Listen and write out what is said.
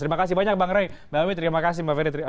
terima kasih banyak bang rey mbak awi terima kasih mbak ferry